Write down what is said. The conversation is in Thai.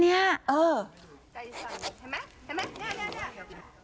ใจใสใช่ไหมใช่ไหมแค่เนี้ยแค่เนี้ย